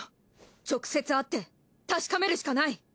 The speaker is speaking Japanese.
直接会って確かめるしかない。